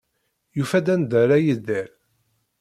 Yufa-d anda ara yedder.